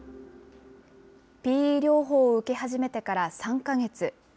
ＰＥ療法を受け始めてから３か月。